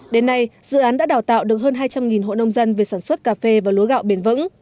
đến nay dự án đã đào tạo được hơn hai trăm linh hộ nông dân về sản xuất cà phê và lúa gạo bền vững